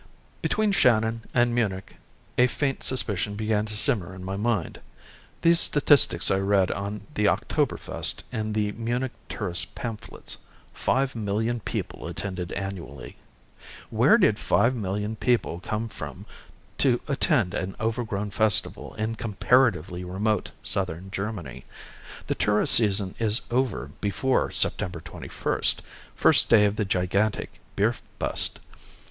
Between Shannon and Munich a faint suspicion began to simmer in my mind. These statistics I read on the Oktoberfest in the Munich tourist pamphlets. Five million people attended annually. Where did five million people come from to attend an overgrown festival in comparatively remote Southern Germany? The tourist season is over before September 21st, first day of the gigantic beer bust.